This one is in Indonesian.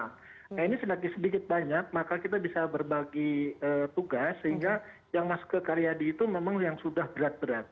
nah ini sedikit sedikit banyak maka kita bisa berbagi tugas sehingga yang masuk ke karyadi itu memang yang sudah berat berat